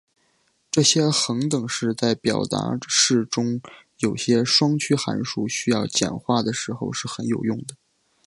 这些恒等式在表达式中有些双曲函数需要简化的时候是很有用的。